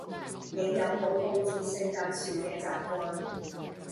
你有冇佈置聖誕樹嘅習慣？